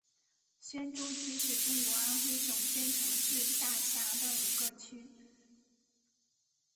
宣州区是中国安徽省宣城市下辖的一个区。